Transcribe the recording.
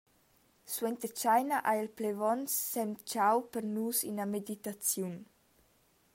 Suenter tscheina ha il plevon semtgau per nus ina meditaziun.